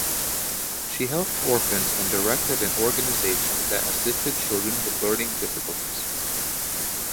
She helped orphans and directed an organisation that assisted children with learning difficulties.